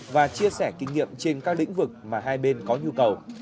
và chia sẻ kinh nghiệm trên các lĩnh vực mà hai bên có nhu cầu